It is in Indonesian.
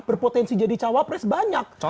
berpotensi jadi cawapres banyak